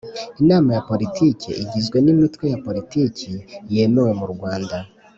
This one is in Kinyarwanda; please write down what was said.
inama ya Politiki igizwe n imitwe ya politiki yemewe mu rwanda